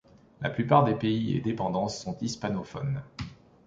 La plupart des pays et dépendances sont hispanophones.